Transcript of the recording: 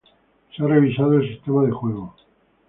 Se ha revisado el sistema de juego.